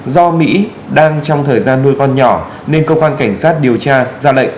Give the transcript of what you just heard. do mỹ đang trong thời gian nuôi con nhỏ nên công an cảnh sát điều tra ra lệnh